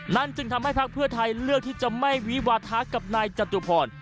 นั่นจึงทำให้พรรคเพื่อไทยเลือกที่จะไม่วิวาทักกับนายจตุพร